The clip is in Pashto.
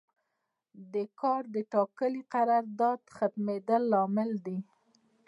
د کار د ټاکلي قرارداد ختمیدل لامل دی.